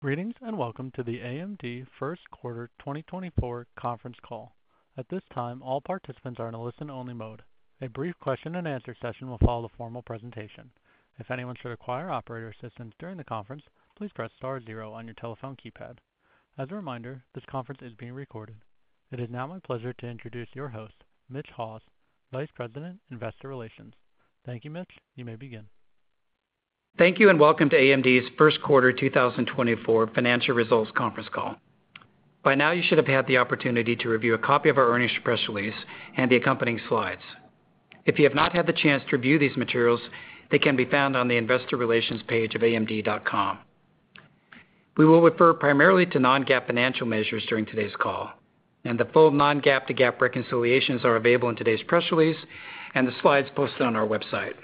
Greetings, and welcome to the AMD First Quarter 2024 conference call. At this time, all participants are in a listen-only mode. A brief question and answer session will follow the formal presentation. If anyone should require operator assistance during the conference, please press star zero on your telephone keypad. As a reminder, this conference is being recorded. It is now my pleasure to introduce your host, Mitch Haws, Vice President, Investor Relations. Thank you, Mitch. You may begin. Thank you, and welcome to AMD's first quarter 2024 financial results conference call. By now, you should have had the opportunity to review a copy of our earnings press release and the accompanying slides. If you have not had the chance to review these materials, they can be found on the investor relations page of amd.com. We will refer primarily to non-GAAP financial measures during today's call, and the full non-GAAP to GAAP reconciliations are available in today's press release and the slides posted on our website.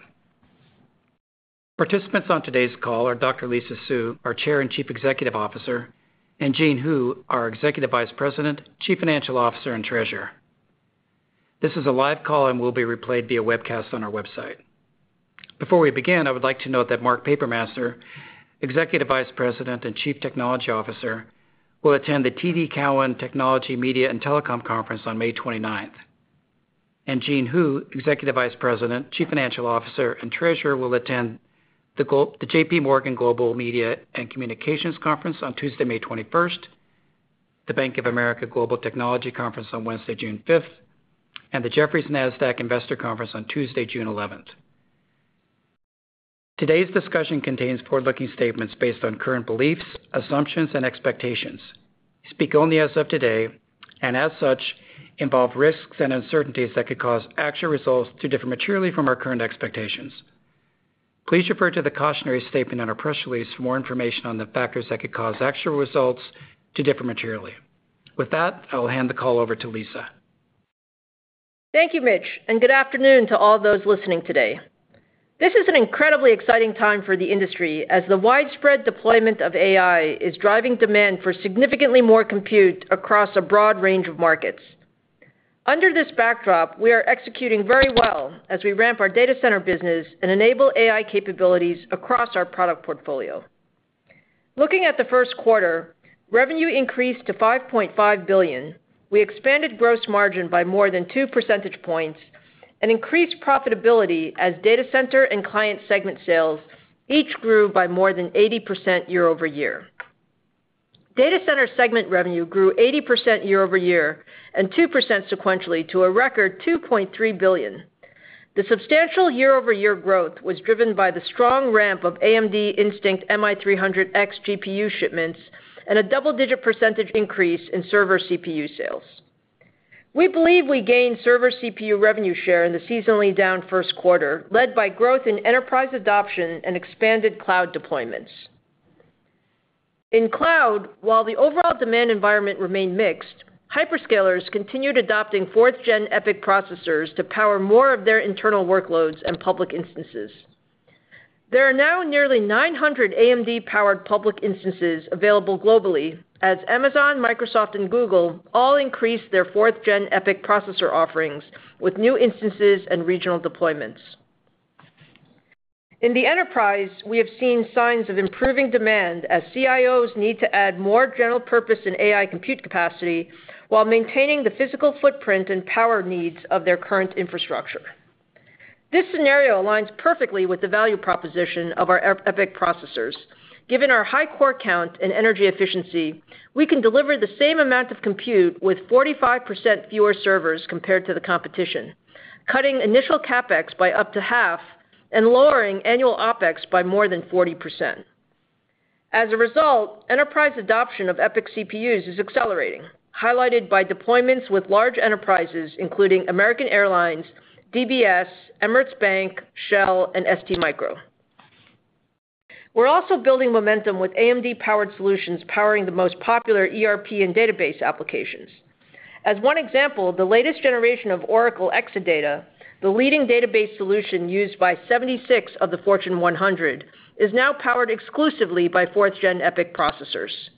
Participants on today's call are Dr. Lisa Su, our Chair and Chief Executive Officer, and Jean Hu, our Executive Vice President, Chief Financial Officer, and Treasurer. This is a live call and will be replayed via webcast on our website. Before we begin, I would like to note that Mark Papermaster, Executive Vice President and Chief Technology Officer, will attend the TD Cowen Technology, Media, and Telecom Conference on May 29, and Jean Hu, Executive Vice President, Chief Financial Officer, and Treasurer, will attend the J.P. Morgan Global Media and Communications Conference on Tuesday, May 21, the Bank of America Global Technology Conference on Wednesday, June 5, and the Jefferies Nasdaq Investor Conference on Tuesday, June 11. Today's discussion contains forward-looking statements based on current beliefs, assumptions, and expectations. We speak only as of today, and as such, involve risks and uncertainties that could cause actual results to differ materially from our current expectations. Please refer to the cautionary statement in our press release for more information on the factors that could cause actual results to differ materially. With that, I'll hand the call over to Lisa. Thank you, Mitch, and good afternoon to all those listening today. This is an incredibly exciting time for the industry, as the widespread deployment of AI is driving demand for significantly more compute across a broad range of markets. Under this backdrop, we are executing very well as we ramp our data center business and enable AI capabilities across our product portfolio. Looking at the first quarter, revenue increased to $5.5 billion. We expanded gross margin by more than 2 percentage points and increased profitability as data center and client segment sales each grew by more than 80% year-over-year. Data center segment revenue grew 80% year-over-year and 2% sequentially to a record $2.3 billion. The substantial year-over-year growth was driven by the strong ramp of AMD Instinct MI300X GPU shipments and a double-digit percentage increase in server CPU sales. We believe we gained server CPU revenue share in the seasonally down first quarter, led by growth in enterprise adoption and expanded cloud deployments. In cloud, while the overall demand environment remained mixed, hyperscalers continued adopting fourth gen EPYC processors to power more of their internal workloads and public instances. There are now nearly 900 AMD-powered public instances available globally as Amazon, Microsoft, and Google all increased their fourth gen EPYC processor offerings with new instances and regional deployments. In the enterprise, we have seen signs of improving demand as CIOs need to add more general purpose and AI compute capacity while maintaining the physical footprint and power needs of their current infrastructure. This scenario aligns perfectly with the value proposition of our EPYC processors. Given our high core count and energy efficiency, we can deliver the same amount of compute with 45% fewer servers compared to the competition, cutting initial CapEx by up to half and lowering annual OpEx by more than 40%. As a result, enterprise adoption of EPYC CPUs is accelerating, highlighted by deployments with large enterprises, including American Airlines, DBS, Emirates Bank, Shell, and STMicro. We're also building momentum with AMD-powered solutions powering the most popular ERP and database applications. As one example, the latest generation of Oracle Exadata, the leading database solution used by 76 of the Fortune 100, is now powered exclusively by fourth-gen EPYC processors.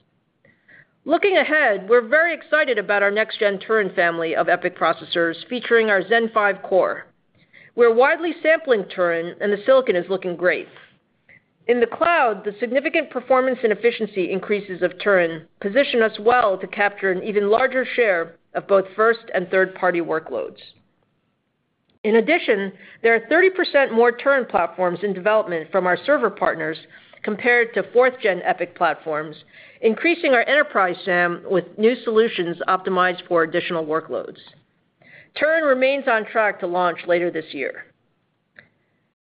Looking ahead, we're very excited about our next-gen Turin family of EPYC processors, featuring our Zen 5 core. We're widely sampling Turin, and the silicon is looking great. In the cloud, the significant performance and efficiency increases of Turin position us well to capture an even larger share of both first and third-party workloads. In addition, there are 30% more Turin platforms in development from our server partners compared to fourth gen EPYC platforms, increasing our enterprise SAM with new solutions optimized for additional workloads. Turin remains on track to launch later this year.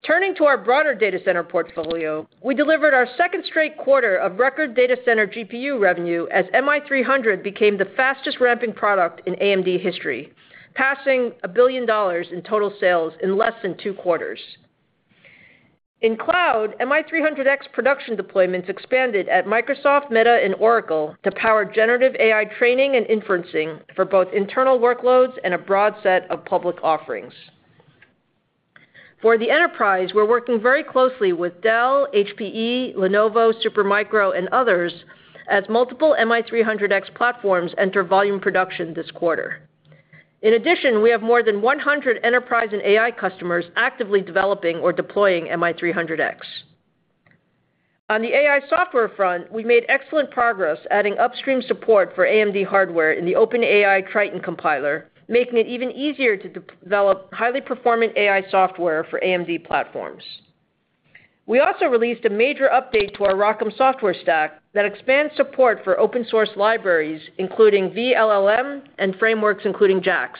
Turning to our broader data center portfolio, we delivered our second straight quarter of record data center GPU revenue, as MI300 became the fastest ramping product in AMD history, passing $1 billion in total sales in less than two quarters. In cloud, MI300X production deployments expanded at Microsoft, Meta, and Oracle to power generative AI training and inferencing for both internal workloads and a broad set of public offerings. For the enterprise, we're working very closely with Dell, HPE, Lenovo, Supermicro, and others as multiple MI300X platforms enter volume production this quarter. In addition, we have more than 100 enterprise and AI customers actively developing or deploying MI300X. On the AI software front, we made excellent progress, adding upstream support for AMD hardware in the OpenAI Triton compiler, making it even easier to develop highly performing AI software for AMD platforms. We also released a major update to our ROCm software stack that expands support for open source libraries, including vLLM and frameworks, including JAX.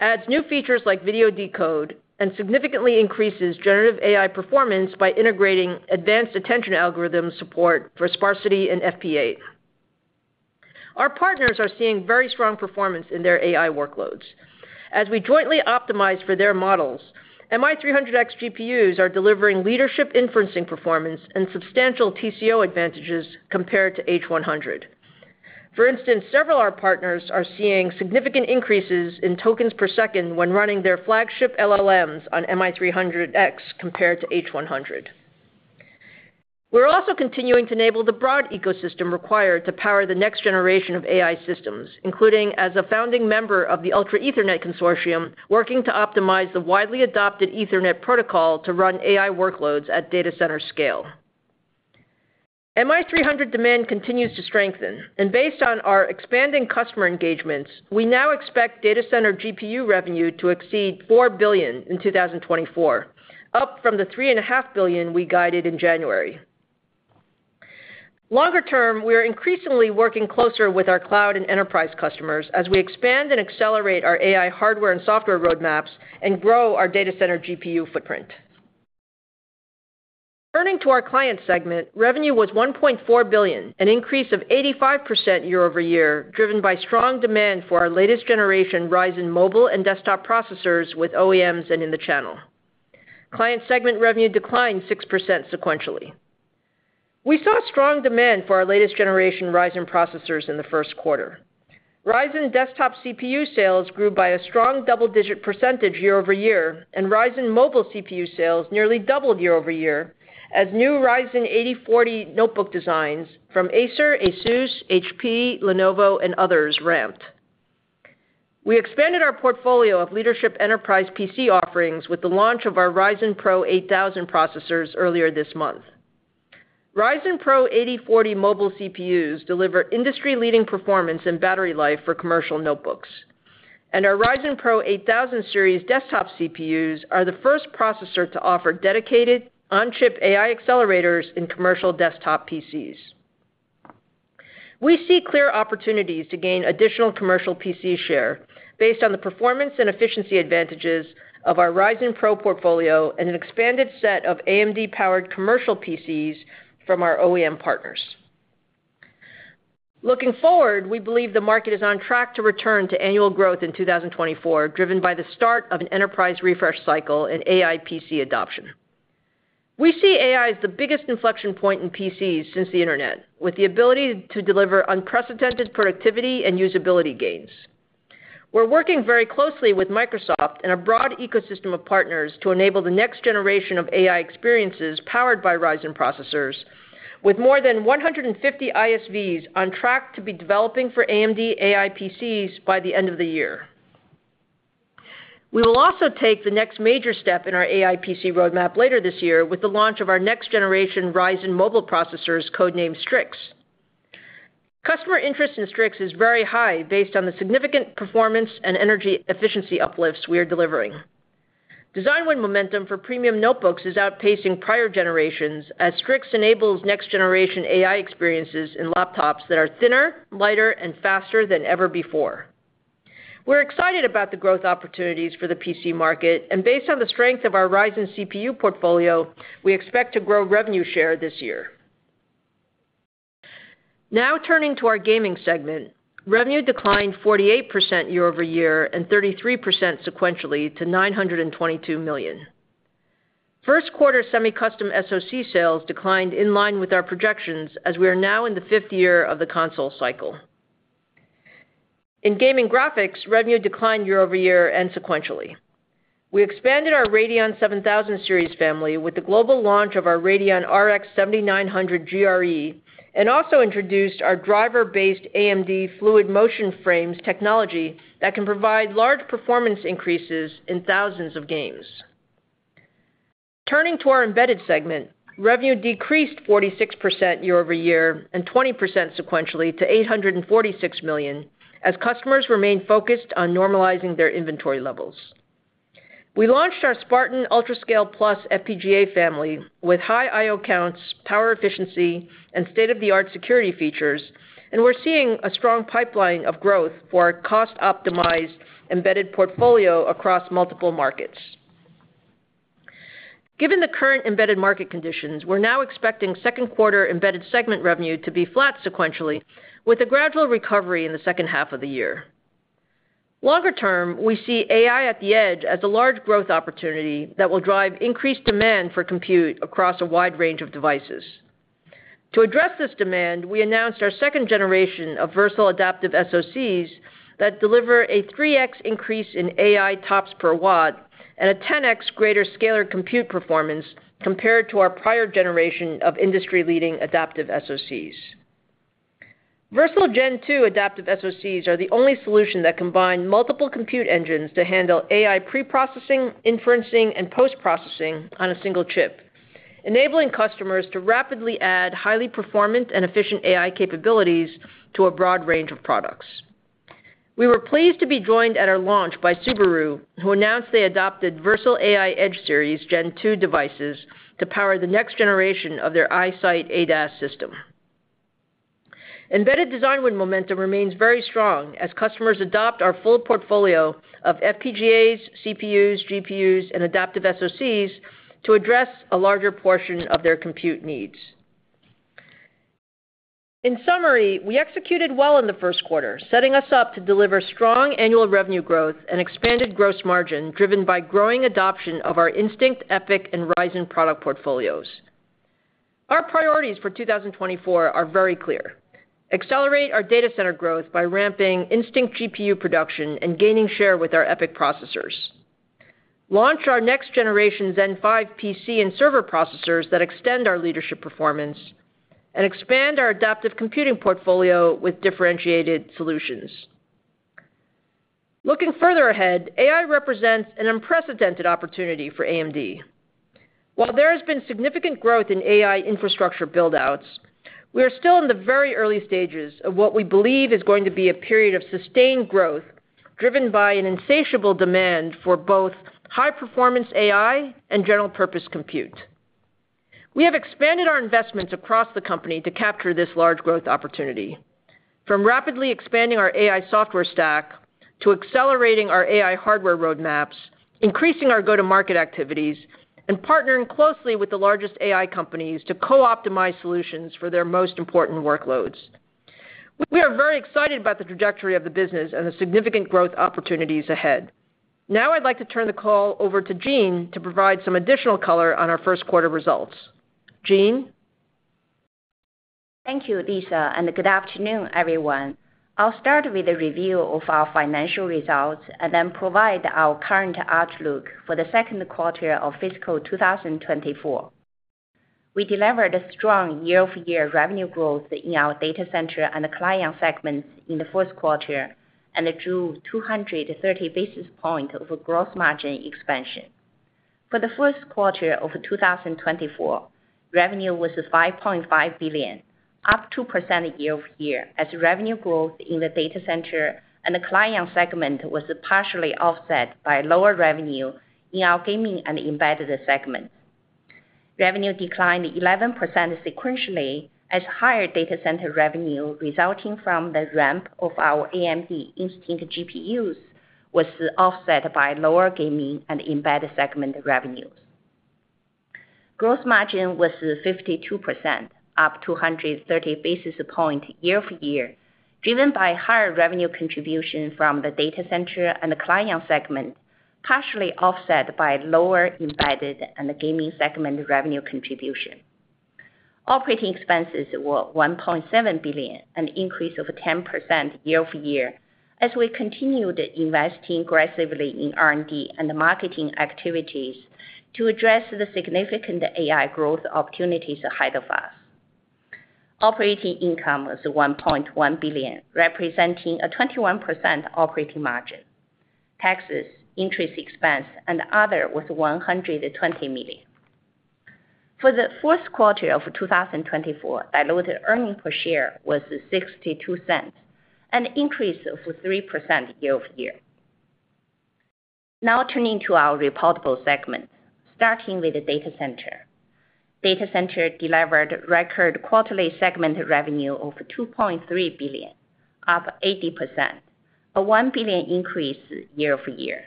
Adds new features like video decode, and significantly increases generative AI performance by integrating advanced attention algorithm support for sparsity and FP8. Our partners are seeing very strong performance in their AI workloads. As we jointly optimize for their models, MI300X GPUs are delivering leadership inferencing performance and substantial TCO advantages compared to H100. For instance, several of our partners are seeing significant increases in tokens per second when running their flagship LLMs on MI300X compared to H100. We're also continuing to enable the broad ecosystem required to power the next generation of AI systems, including as a founding member of the Ultra Ethernet Consortium, working to optimize the widely adopted Ethernet protocol to run AI workloads at data center scale. MI300 demand continues to strengthen, and based on our expanding customer engagements, we now expect data center GPU revenue to exceed $4 billion in 2024, up from the $3.5 billion we guided in January. Longer term, we are increasingly working closer with our cloud and enterprise customers as we expand and accelerate our AI hardware and software roadmaps and grow our data center GPU footprint. Turning to our client segment, revenue was $1.4 billion, an increase of 85% year-over-year, driven by strong demand for our latest generation Ryzen mobile and desktop processors with OEMs and in the channel. Client segment revenue declined 6% sequentially. We saw strong demand for our latest generation Ryzen processors in the first quarter. Ryzen desktop CPU sales grew by a strong double-digit percentage year-over-year, and Ryzen mobile CPU sales nearly doubled year-over-year, as new Ryzen 8040 notebook designs from Acer, ASUS, HP, Lenovo, and others ramped. We expanded our portfolio of leadership enterprise PC offerings with the launch of our Ryzen Pro 8000 processors earlier this month. Ryzen Pro 8040 mobile CPUs deliver industry-leading performance and battery life for commercial notebooks, and our Ryzen Pro 8000 series desktop CPUs are the first processor to offer dedicated on-chip AI accelerators in commercial desktop PCs. We see clear opportunities to gain additional commercial PC share based on the performance and efficiency advantages of our Ryzen Pro portfolio and an expanded set of AMD-powered commercial PCs from our OEM partners. Looking forward, we believe the market is on track to return to annual growth in 2024, driven by the start of an enterprise refresh cycle and AI PC adoption. We see AI as the biggest inflection point in PCs since the internet, with the ability to deliver unprecedented productivity and usability gains. We're working very closely with Microsoft and a broad ecosystem of partners to enable the next generation of AI experiences powered by Ryzen processors, with more than 150 ISVs on track to be developing for AMD AI PCs by the end of the year. We will also take the next major step in our AI PC roadmap later this year with the launch of our next generation Ryzen mobile processors, code-named Strix. Customer interest in Strix is very high based on the significant performance and energy efficiency uplifts we are delivering. Design win momentum for premium notebooks is outpacing prior generations, as Strix enables next-generation AI experiences in laptops that are thinner, lighter, and faster than ever before. We're excited about the growth opportunities for the PC market, and based on the strength of our Ryzen CPU portfolio, we expect to grow revenue share this year. Now turning to our gaming segment. Revenue declined 48% year-over-year and 33% sequentially to $922 million. First quarter semi-custom SoC sales declined in line with our projections, as we are now in the 5th year of the console cycle. In gaming graphics, revenue declined year-over-year and sequentially. We expanded our Radeon 7000 Series family with the global launch of our Radeon RX 7900 GRE, and also introduced our driver-based AMD Fluid Motion Frames technology that can provide large performance increases in thousands of games. Turning to our embedded segment, revenue decreased 46% year-over-year and 20% sequentially to $846 million, as customers remained focused on normalizing their inventory levels. We launched our Spartan UltraScale+ FPGA family with high I/O counts, power efficiency, and state-of-the-art security features, and we're seeing a strong pipeline of growth for our cost-optimized embedded portfolio across multiple markets. Given the current embedded market conditions, we're now expecting second quarter embedded segment revenue to be flat sequentially, with a gradual recovery in the second half of the year. Longer term, we see AI at the edge as a large growth opportunity that will drive increased demand for compute across a wide range of devices. To address this demand, we announced our second generation of Versal adaptive SoCs that deliver a 3x increase in AI TOPS per watt and a 10x greater scalar compute performance compared to our prior generation of industry-leading adaptive SoCs. Versal Gen 2 adaptive SoCs are the only solution that combine multiple compute engines to handle AI preprocessing, inferencing, and post-processing on a single chip, enabling customers to rapidly add highly performant and efficient AI capabilities to a broad range of products. We were pleased to be joined at our launch by Subaru, who announced they adopted Versal AI Edge series Gen 2 devices to power the next generation of their EyeSight ADAS system. Embedded design win momentum remains very strong as customers adopt our full portfolio of FPGAs, CPUs, GPUs, and adaptive SoCs to address a larger portion of their compute needs. In summary, we executed well in the first quarter, setting us up to deliver strong annual revenue growth and expanded gross margin, driven by growing adoption of our Instinct, EPYC, and Ryzen product portfolios. Our priorities for 2024 are very clear: accelerate our data center growth by ramping Instinct GPU production and gaining share with our EPYC processors, launch our next generation Zen 5 PC and server processors that extend our leadership performance, and expand our adaptive computing portfolio with differentiated solutions. Looking further ahead, AI represents an unprecedented opportunity for AMD. While there has been significant growth in AI infrastructure build-outs, we are still in the very early stages of what we believe is going to be a period of sustained growth, driven by an insatiable demand for both high-performance AI and general-purpose compute. We have expanded our investments across the company to capture this large growth opportunity, from rapidly expanding our AI software stack, to accelerating our AI hardware roadmaps, increasing our go-to-market activities, and partnering closely with the largest AI companies to co-optimize solutions for their most important workloads. We are very excited about the trajectory of the business and the significant growth opportunities ahead. Now, I'd like to turn the call over to Jean to provide some additional color on our first quarter results. Jean? Thank you, Lisa, and good afternoon, everyone. I'll start with a review of our financial results, and then provide our current outlook for the second quarter of fiscal 2024. We delivered a strong year-over-year revenue growth in our data center and client segments in the first quarter, and it drove 230 basis points of gross margin expansion. For the first quarter of 2024, revenue was $5.5 billion, up 2% year-over-year, as revenue growth in the data center and the client segment was partially offset by lower revenue in our gaming and embedded segments. Revenue declined 11% sequentially, as higher data center revenue resulting from the ramp of our AMD Instinct GPUs was offset by lower gaming and embedded segment revenues. Gross margin was 52%, up 230 basis points year-over-year, driven by higher revenue contribution from the data center and the client segment, partially offset by lower embedded and the gaming segment revenue contribution. Operating expenses were $1.7 billion, an increase of 10% year-over-year, as we continued investing aggressively in R&D and marketing activities to address the significant AI growth opportunities ahead of us. Operating income was $1.1 billion, representing a 21% operating margin. Taxes, interest expense, and other was $120 million. For the fourth quarter of 2024, diluted earnings per share was $0.62, an increase of 3% year-over-year. Now, turning to our reportable segments, starting with the data center. Data center delivered record quarterly segment revenue of $2.3 billion, up 80%, a $1 billion increase year-over-year.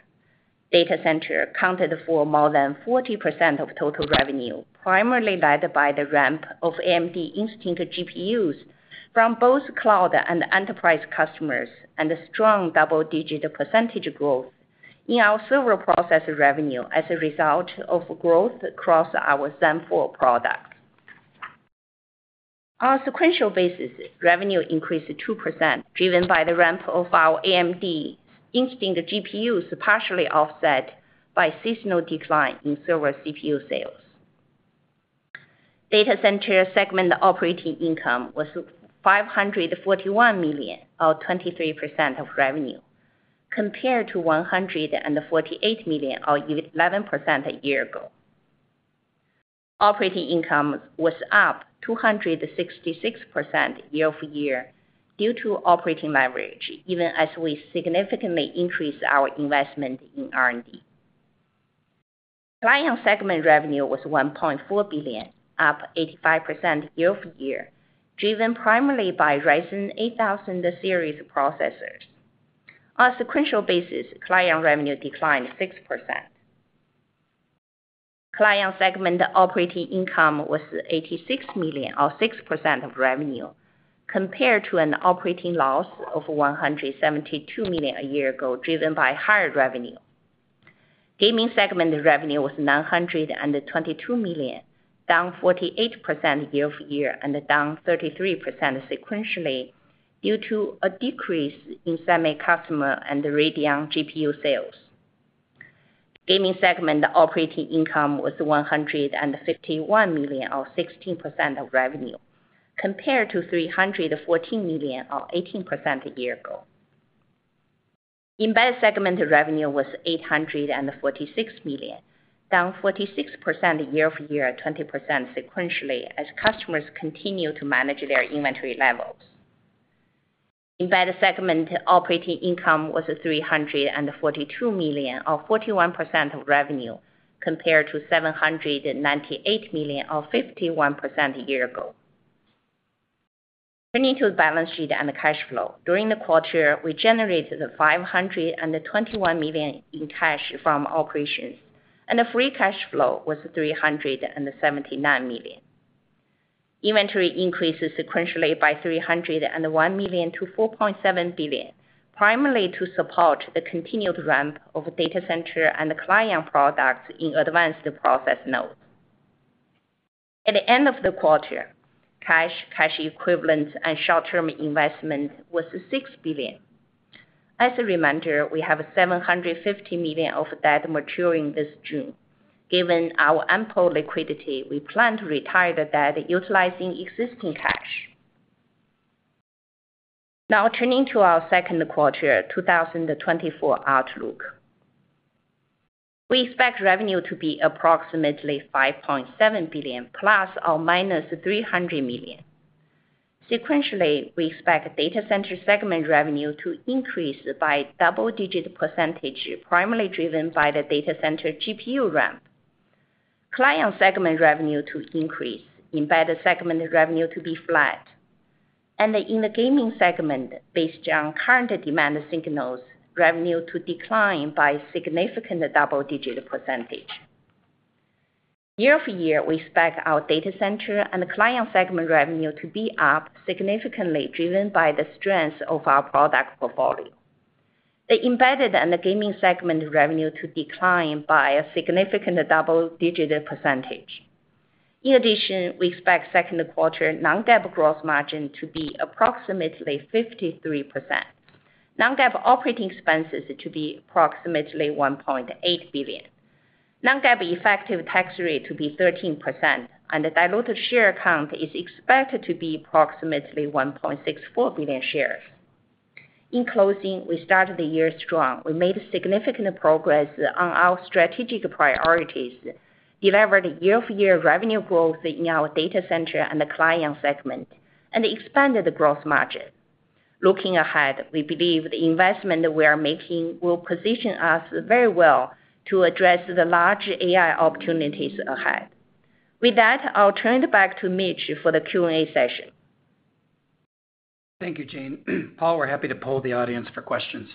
Data center accounted for more than 40% of total revenue, primarily led by the ramp of AMD Instinct GPUs from both cloud and enterprise customers, and a strong double-digit percentage growth in our server processor revenue as a result of growth across our Zen 4 products. On a sequential basis, revenue increased 2%, driven by the ramp of our AMD Instinct GPUs, partially offset by seasonal decline in server CPU sales. Data center segment operating income was $541 million, or 23% of revenue, compared to $148 million, or 11% a year ago. Operating income was up 266% year-over-year due to operating leverage, even as we significantly increased our investment in R&D. Client segment revenue was $1.4 billion, up 85% year-over-year, driven primarily by Ryzen 8000 series processors. On a sequential basis, client revenue declined 6%. Client segment operating income was $86 million, or 6% of revenue, compared to an operating loss of $172 million a year ago, driven by higher revenue. Gaming segment revenue was $922 million, down 48% year-over-year, and down 33% sequentially, due to a decrease in semi-custom and the Radeon GPU sales.... Gaming segment operating income was $151 million, or 16% of revenue, compared to $314 million, or 18% a year ago. Embedded segment revenue was $846 million, down 46% year-over-year, 20% sequentially, as customers continue to manage their inventory levels. Embedded segment operating income was $342 million, or 41% of revenue, compared to $798 million, or 51% a year ago. Turning to the balance sheet and the cash flow. During the quarter, we generated $521 million in cash from operations, and the free cash flow was $379 million. Inventory increases sequentially by $301 million to $4.7 billion, primarily to support the continued ramp of data center and the client products in advanced process nodes. At the end of the quarter, cash, cash equivalents, and short-term investment was $6 billion. As a reminder, we have $750 million of debt maturing this June. Given our ample liquidity, we plan to retire the debt utilizing existing cash. Now, turning to our second quarter, 2024 outlook. We expect revenue to be approximately $5.7 billion ± $300 million. Sequentially, we expect data center segment revenue to increase by double-digit percentage, primarily driven by the data center GPU ramp. Client segment revenue to increase, embedded segment revenue to be flat. In the gaming segment, based on current demand signals, revenue to decline by significant double-digit percentage. Year-over-year, we expect our data center and client segment revenue to be up significantly, driven by the strength of our product portfolio. The embedded and the gaming segment revenue to decline by a significant double-digit percentage. In addition, we expect second quarter non-GAAP gross margin to be approximately 53%. Non-GAAP operating expenses to be approximately $1.8 billion. Non-GAAP effective tax rate to be 13%, and the diluted share count is expected to be approximately 1.64 billion shares. In closing, we started the year strong. We made significant progress on our strategic priorities, delivered year-over-year revenue growth in our Data Center and the Client segment, and expanded the gross margin. Looking ahead, we believe the investment we are making will position us very well to address the large AI opportunities ahead. With that, I'll turn it back to Mitch for the Q&A session. Thank you, Jean. Paul, we're happy to poll the audience for questions.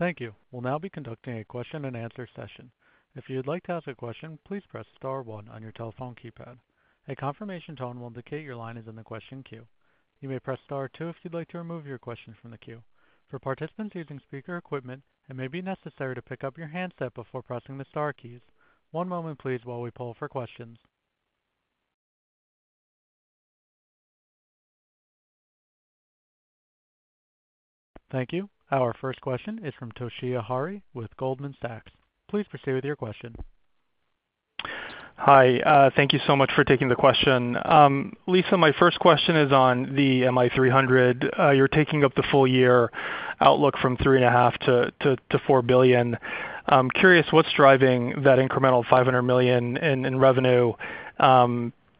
Thank you. We'll now be conducting a question-and-answer session. If you'd like to ask a question, please press star one on your telephone keypad. A confirmation tone will indicate your line is in the question queue. You may press star two if you'd like to remove your question from the queue. For participants using speaker equipment, it may be necessary to pick up your handset before pressing the star keys. One moment, please, while we poll for questions. Thank you. Our first question is from Toshiya Hari with Goldman Sachs. Please proceed with your question. Hi, thank you so much for taking the question. Lisa, my first question is on the MI300. You're taking up the full year outlook from $3.5 billion to $4 billion. I'm curious, what's driving that incremental $500 million in revenue?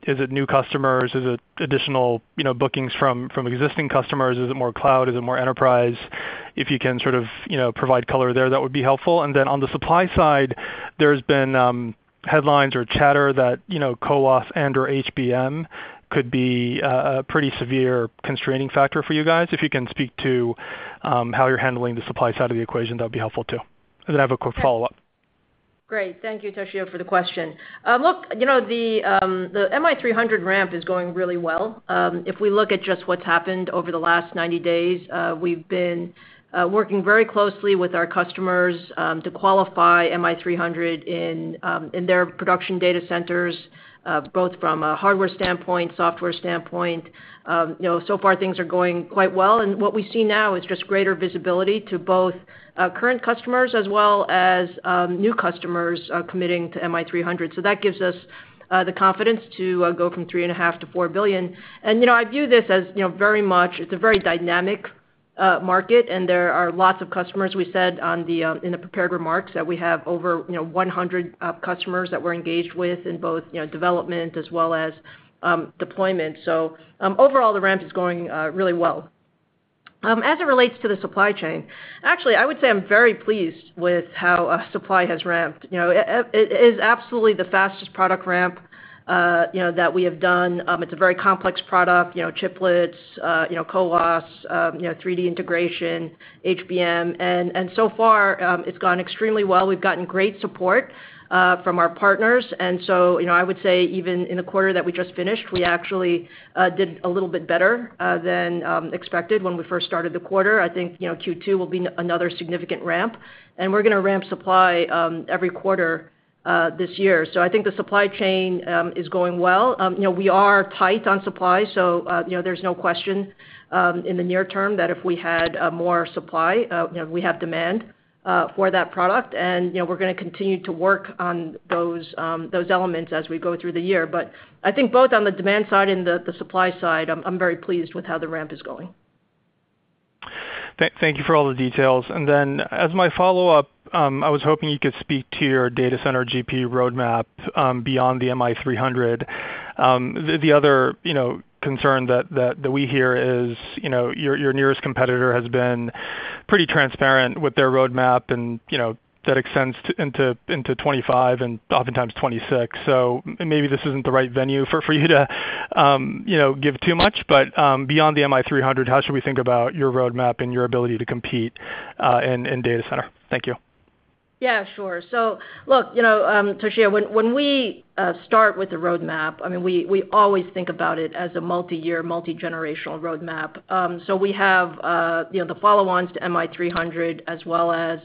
Is it new customers? Is it additional, you know, bookings from existing customers? Is it more cloud? Is it more enterprise? If you can sort of, you know, provide color there, that would be helpful. And then on the supply side, there's been headlines or chatter that, you know, CoWoS and/or HBM could be a pretty severe constraining factor for you guys. If you can speak to how you're handling the supply side of the equation, that'd be helpful, too. And then I have a quick follow-up. Great. Thank you, Toshiya, for the question. Look, you know, the MI300 ramp is going really well. If we look at just what's happened over the last 90 days, we've been working very closely with our customers to qualify MI300 in their production data centers, both from a hardware standpoint, software standpoint. You know, so far, things are going quite well, and what we see now is just greater visibility to both current customers as well as new customers committing to MI300. So that gives us the confidence to go from $3.5 billion-$4 billion. And, you know, I view this as, you know, very much... It's a very dynamic market, and there are lots of customers. We said in the prepared remarks that we have over, you know, 100 customers that we're engaged with in both, you know, development as well as deployment. So, overall, the ramp is going really well. As it relates to the supply chain, actually, I would say I'm very pleased with how supply has ramped. You know, it is absolutely the fastest product ramp, you know, that we have done. It's a very complex product, you know, chiplets, you know, CoWoS, you know, 3D integration, HBM, and so far, it's gone extremely well. We've gotten great support from our partners, and so, you know, I would say even in the quarter that we just finished, we actually did a little bit better than expected when we first started the quarter. I think, you know, Q2 will be another significant ramp, and we're gonna ramp supply every quarter this year. So I think the supply chain is going well. You know, we are tight on supply, so, you know, there's no question in the near term that if we had more supply, you know, we have demand for that product. And, you know, we're gonna continue to work on those those elements as we go through the year. But I think both on the demand side and the supply side, I'm very pleased with how the ramp is going.... Thank you for all the details. And then as my follow-up, I was hoping you could speak to your data center GPU roadmap, beyond the MI300. The other, you know, concern that we hear is, you know, your nearest competitor has been pretty transparent with their roadmap, and, you know, that extends into 2025 and oftentimes 2026. So maybe this isn't the right venue for you to, you know, give too much. But, beyond the MI300, how should we think about your roadmap and your ability to compete in data center? Thank you. Yeah, sure. So look, you know, Toshiya, when we start with the roadmap, I mean, we always think about it as a multi-year, multi-generational roadmap. So we have, you know, the follow-ons to MI300, as well as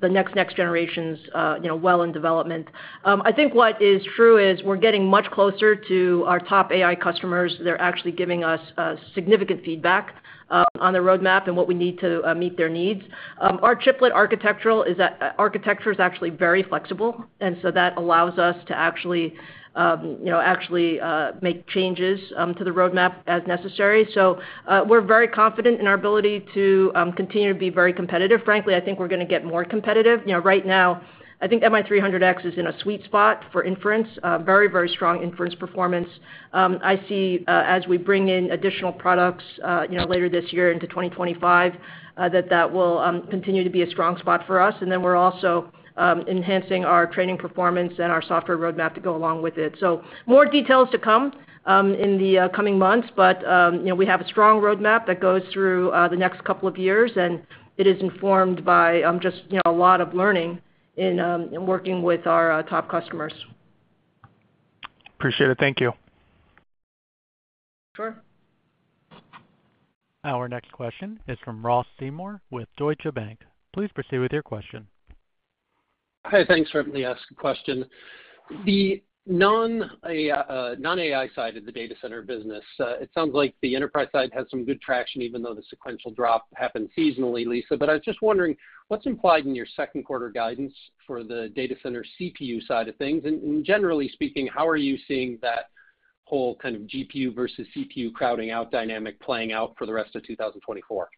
the next generations, you know, well in development. I think what is true is we're getting much closer to our top AI customers. They're actually giving us significant feedback on the roadmap and what we need to meet their needs. Our triplet architecture is actually very flexible, and so that allows us to actually, you know, actually make changes to the roadmap as necessary. So we're very confident in our ability to continue to be very competitive. Frankly, I think we're gonna get more competitive. You know, right now, I think MI300X is in a sweet spot for inference. Very, very strong inference performance. I see, as we bring in additional products, you know, later this year into 2025, that, that will continue to be a strong spot for us. And then we're also enhancing our training performance and our software roadmap to go along with it. So more details to come, in the coming months, but, you know, we have a strong roadmap that goes through the next couple of years, and it is informed by just, you know, a lot of learning in working with our top customers. Appreciate it. Thank you. Sure. Our next question is from Ross Seymore with Deutsche Bank. Please proceed with your question. Hi. Thanks for letting me ask a question. The non-AI side of the data center business, it sounds like the enterprise side had some good traction, even though the sequential drop happened seasonally, Lisa. But I was just wondering what's implied in your second quarter guidance for the data center CPU side of things? And generally speaking, how are you seeing that whole kind of GPU versus CPU crowding out dynamic playing out for the rest of 2024?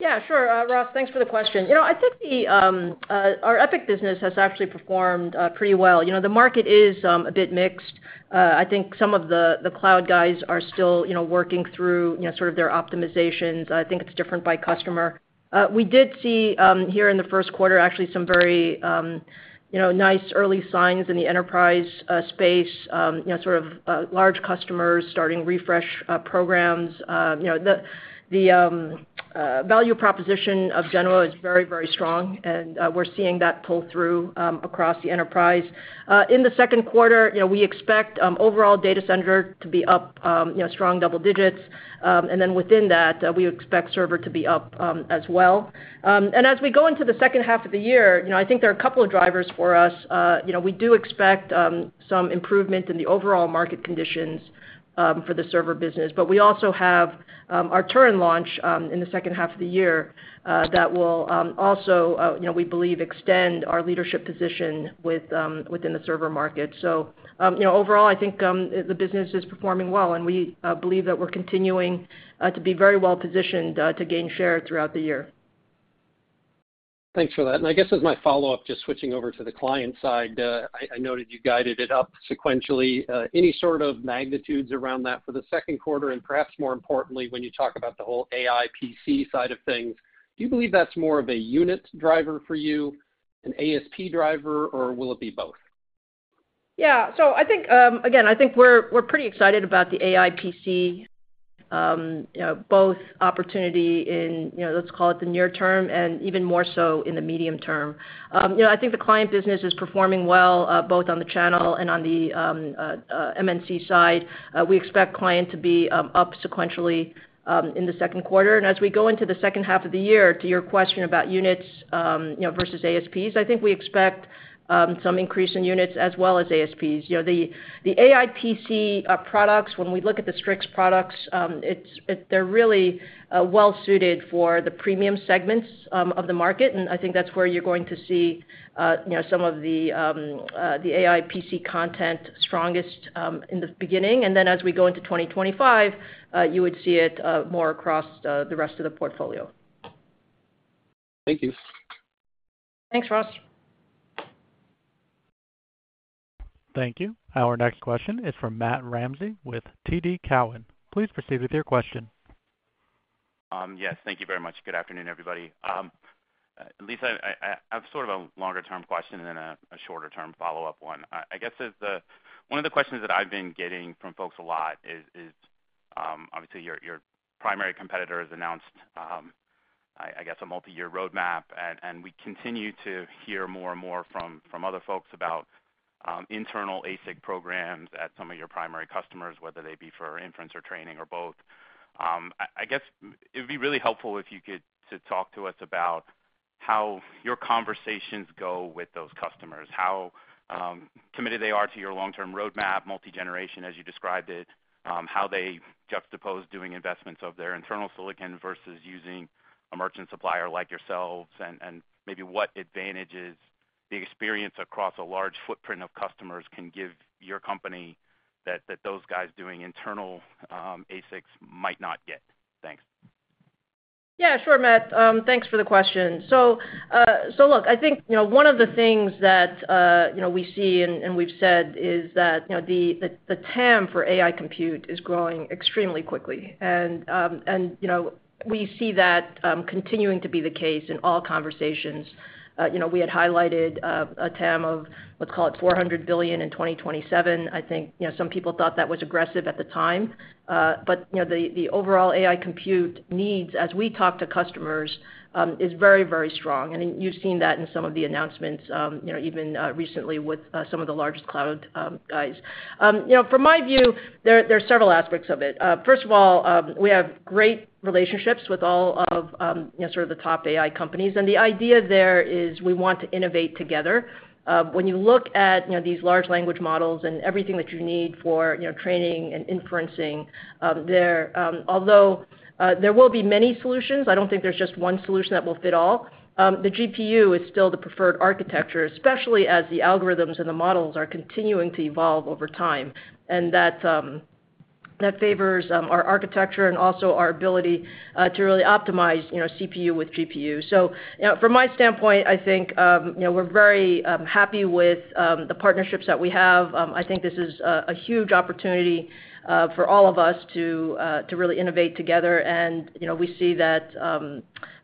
Yeah, sure, Ross, thanks for the question. You know, I think our EPYC business has actually performed pretty well. You know, the market is a bit mixed. I think some of the cloud guys are still, you know, working through, you know, sort of their optimizations. I think it's different by customer. We did see here in the first quarter, actually, some very, you know, nice early signs in the enterprise space, you know, sort of large customers starting refresh programs. You know, the value proposition of Genoa is very, very strong, and we're seeing that pull through across the enterprise. In the second quarter, you know, we expect overall data center to be up, you know, strong double digits. And then within that, we expect server to be up, as well. And as we go into the second half of the year, you know, I think there are a couple of drivers for us. You know, we do expect some improvement in the overall market conditions for the server business, but we also have our Turin launch in the second half of the year that will also, you know, we believe, extend our leadership position within the server market. So, you know, overall, I think the business is performing well, and we believe that we're continuing to be very well positioned to gain share throughout the year. Thanks for that. And I guess as my follow-up, just switching over to the client side, I noted you guided it up sequentially. Any sort of magnitudes around that for the second quarter, and perhaps more importantly, when you talk about the whole AI PC side of things, do you believe that's more of a unit driver for you, an ASP driver, or will it be both? Yeah. So I think, again, I think we're, we're pretty excited about the AI PC, you know, both opportunity in, you know, let's call it the near term and even more so in the medium term. You know, I think the client business is performing well, both on the channel and on the, MNC side. We expect client to be, up sequentially, in the second quarter. And as we go into the second half of the year, to your question about units, you know, versus ASPs, I think we expect, some increase in units as well as ASPs. You know, the AI PC products, when we look at the Strix products, it's—they're really well suited for the premium segments of the market, and I think that's where you're going to see, you know, some of the AI PC content strongest in the beginning. And then as we go into 2025, you would see it more across the rest of the portfolio. Thank you. Thanks, Ross. Thank you. Our next question is from Matt Ramsey with TD Cowen. Please proceed with your question. Yes. Thank you very much. Good afternoon, everybody. Lisa, I have sort of a longer-term question than a shorter-term follow-up one. I guess one of the questions that I've been getting from folks a lot is, obviously, your primary competitor has announced, I guess, a multi-year roadmap, and we continue to hear more and more from other folks about internal ASIC programs at some of your primary customers, whether they be for inference or training or both. I guess it'd be really helpful if you could to talk to us about how your conversations go with those customers, how committed they are to your long-term roadmap, multi-generation, as you described it, how they juxtapose doing investments of their internal silicon versus using a merchant supplier like yourselves, and maybe what advantages the experience across a large footprint of customers can give your company that those guys doing internal ASICs might not get? Thanks. Yeah, sure, Matt. Thanks for the question. So look, I think, you know, one of the things that, you know, we see and we've said, is that, you know, the, the TAM for AI compute is growing extremely quickly. And, you know, we see that continuing to be the case in all conversations. You know, we had highlighted a TAM of, let's call it, $400 billion in 2027. I think, you know, some people thought that was aggressive at the time, but, you know, the, the overall AI compute needs, as we talk to customers, is very, very strong. And you've seen that in some of the announcements, you know, even recently with some of the largest cloud guys. You know, from my view, there are several aspects of it. First of all, we have great relationships with all of, you know, sort of the top AI companies, and the idea there is we want to innovate together. When you look at, you know, these large language models and everything that you need for, you know, training and inferencing, although there will be many solutions, I don't think there's just one solution that will fit all. The GPU is still the preferred architecture, especially as the algorithms and the models are continuing to evolve over time. And that favors our architecture and also our ability to really optimize, you know, CPU with GPU. So, you know, from my standpoint, I think, you know, we're very happy with the partnerships that we have. I think this is a huge opportunity for all of us to really innovate together. You know, we see that,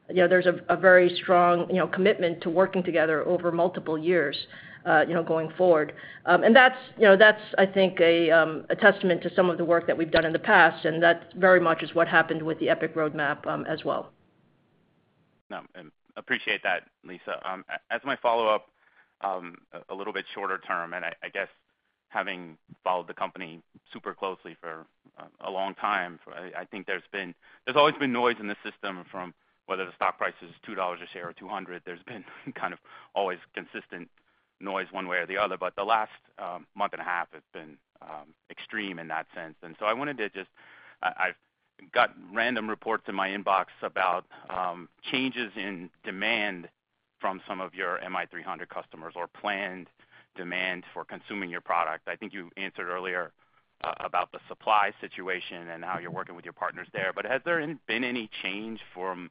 you know, there's a very strong, you know, commitment to working together over multiple years, you know, going forward. That's, you know, that's, I think, a testament to some of the work that we've done in the past, and that very much is what happened with the EPYC roadmap, as well. Appreciate that, Lisa. As my follow-up, a little bit shorter term, and I guess, having followed the company super closely for a long time, I think there's always been noise in the system from whether the stock price is $2 a share or $200. There's been kind of always consistent noise one way or the other. But the last month and a half has been extreme in that sense. And so I wanted to just, I've got random reports in my inbox about changes in demand from some of your MI300 customers or planned demand for consuming your product. I think you answered earlier about the supply situation and how you're working with your partners there. But has there been any change from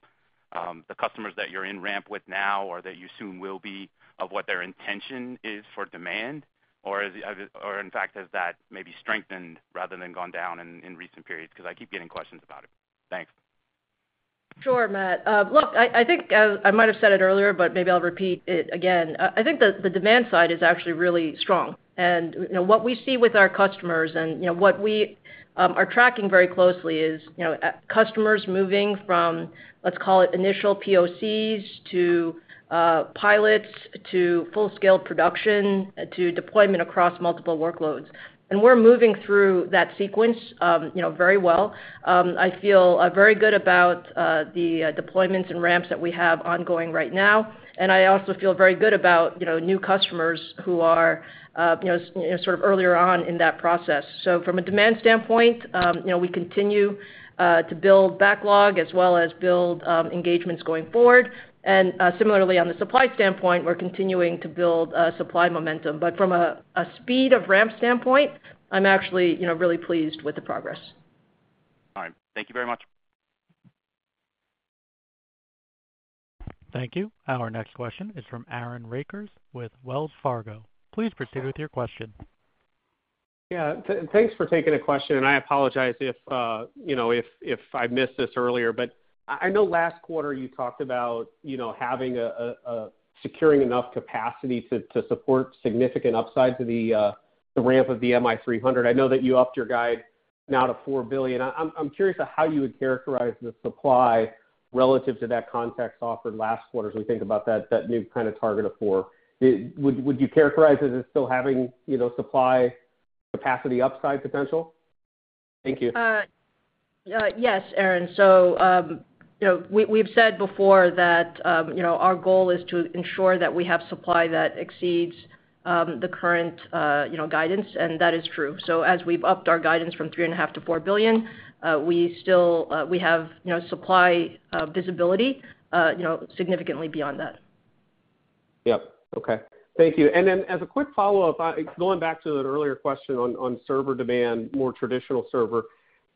the customers that you're in ramp with now or that you soon will be, of what their intention is for demand? Or is, are the or in fact, has that maybe strengthened rather than gone down in recent periods? Because I keep getting questions about it. Thanks. Sure, Matt. Look, I think I might have said it earlier, but maybe I'll repeat it again. I think the demand side is actually really strong. And, you know, what we see with our customers and, you know, what we are tracking very closely is, you know, customers moving from, let's call it, initial POCs to pilots, to full-scale production, to deployment across multiple workloads. And we're moving through that sequence, you know, very well. I feel very good about the deployments and ramps that we have ongoing right now, and I also feel very good about, you know, new customers who are, you know, sort of earlier on in that process. So from a demand standpoint, you know, we continue to build backlog as well as build engagements going forward. Similarly, on the supply standpoint, we're continuing to build supply momentum. But from a speed of ramp standpoint, I'm actually, you know, really pleased with the progress. All right. Thank you very much. Thank you. Our next question is from Aaron Rakers with Wells Fargo. Please proceed with your question. Yeah, thanks for taking the question, and I apologize if, you know, if I missed this earlier. But I know last quarter you talked about, you know, having a securing enough capacity to support significant upside to the ramp of the MI300. I know that you upped your guide now to $4 billion. I'm curious to how you would characterize the supply relative to that context offered last quarter as we think about that new kind of target of four. Would you characterize it as still having, you know, supply capacity, upside potential? Thank you. Yes, Aaron. So, you know, we, we've said before that, you know, our goal is to ensure that we have supply that exceeds, the current, you know, guidance, and that is true. So as we've upped our guidance from $3.5 billion-$4 billion, we still, we have, you know, supply, visibility, you know, significantly beyond that. Yep. Okay. Thank you. And then, as a quick follow-up, going back to an earlier question on server demand, more traditional server.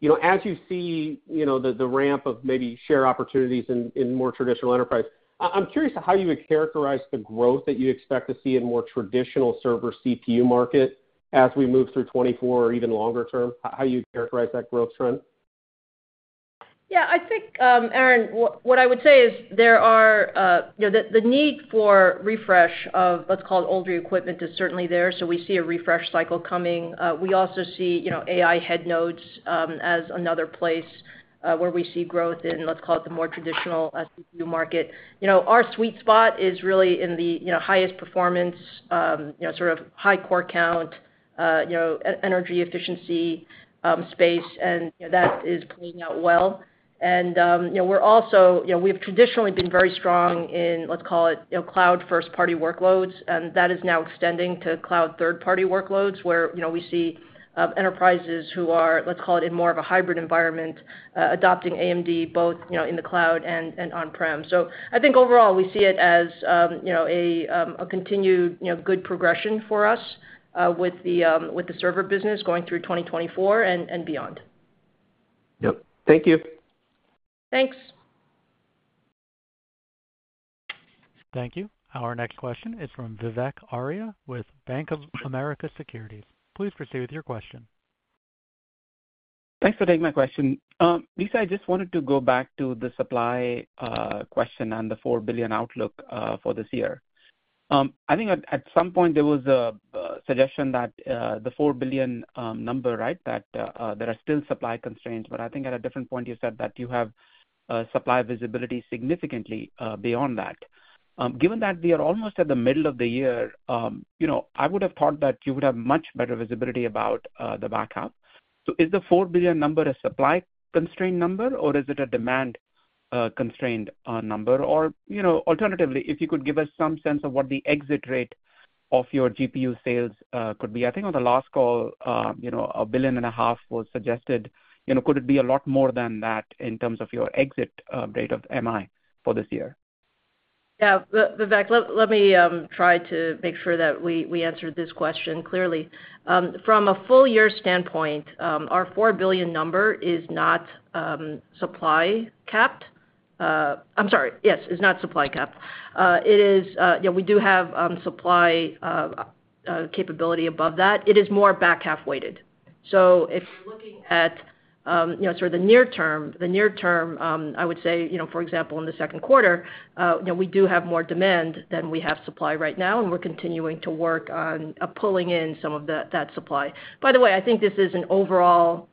You know, as you see, you know, the ramp of maybe share opportunities in more traditional enterprise, I'm curious how you would characterize the growth that you expect to see in more traditional server CPU market as we move through 2024 or even longer term, how you'd characterize that growth trend? Yeah, I think, Aaron, what I would say is there are, you know, the need for refresh of let's call it older equipment is certainly there, so we see a refresh cycle coming. We also see, you know, AI head nodes as another place where we see growth in, let's call it, the more traditional CPU market. You know, our sweet spot is really in the, you know, highest performance, you know, sort of high core count, you know, energy efficiency space, and, you know, that is playing out well. you know, we're also, you know, we've traditionally been very strong in, let's call it, you know, cloud first-party workloads, and that is now extending to cloud third-party workloads, where, you know, we see enterprises who are, let's call it, in more of a hybrid environment, adopting AMD, both, you know, in the cloud and, and on-prem. So I think overall, we see it as, you know, a continued, you know, good progression for us, with the server business going through 2024 and, and beyond. Yep. Thank you. Thanks. Thank you. Our next question is from Vivek Arya with Bank of America Securities. Please proceed with your question. Thanks for taking my question. Lisa, I just wanted to go back to the supply question and the $4 billion outlook for this year. I think at some point there was a suggestion that the $4 billion number, right, that there are still supply constraints, but I think at a different point, you said that you have supply visibility significantly beyond that. Given that we are almost at the middle of the year, you know, I would have thought that you would have much better visibility about the back half. So is the $4 billion number a supply-constrained number, or is it a demand-constrained number? Or, you know, alternatively, if you could give us some sense of what the exit rate of your GPU sales could be. I think on the last call, you know, $1.5 billion was suggested. You know, could it be a lot more than that in terms of your exit date of MI for this year? Yeah. Vivek, let me try to make sure that we answer this question clearly. From a full year standpoint, our $4 billion number is not supply capped. I'm sorry, yes, it's not supply capped. It is, yeah, we do have supply capability above that. It is more back half weighted. So if you're looking at, you know, sort of the near term, I would say, you know, for example, in the second quarter, you know, we do have more demand than we have supply right now, and we're continuing to work on pulling in some of that supply. By the way, I think this is an overall